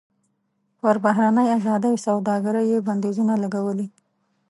پر بهرنۍ ازادې سوداګرۍ یې بندیزونه لګولي.